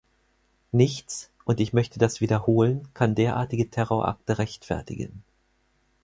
Nichts und ich möchte das wiederholen kann derartige Terrorakte rechtfertigen.